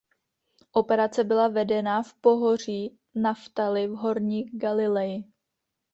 Operace byla vedená v pohoří Naftali v Horní Galileji.